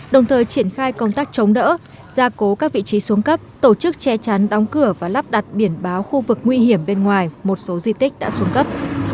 đồng thời triển khai công tác chống đỡ gia cố các vị trí xuống cấp tổ chức che chắn đóng cửa và lắp đặt biển báo khu vực nguy hiểm bên ngoài một số di tích đã xuống cấp